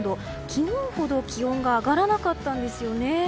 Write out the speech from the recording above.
昨日ほど気温が上がらなかったんですよね。